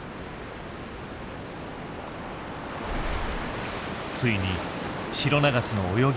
ついにシロナガスの泳ぎが止まった。